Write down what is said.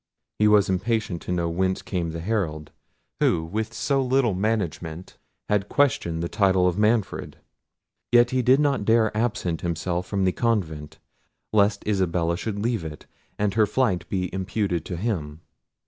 He was impatient to know whence came the Herald, who with so little management had questioned the title of Manfred: yet he did not dare absent himself from the convent, lest Isabella should leave it, and her flight be imputed to him.